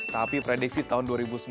tapi prediksi tahun dua ribu sembilan belas